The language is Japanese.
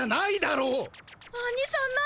アニさん何？